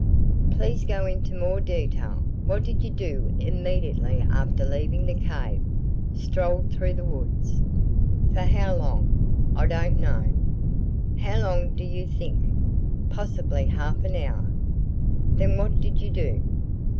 "Please go into more detail. What did you do immediately after leaving the cave?" "Strolled through the woods." "For how long?" "I don't know." "How long do you think?" "Possibly half an hour." "Then what did you do?"